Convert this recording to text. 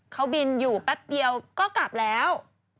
เขาบินอยู่แป๊บเดียวก็กลับแล้ว